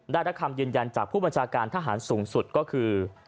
ได้รับคำยืนยันจากผู้บัญชาการทหารสูงสุดก็คือ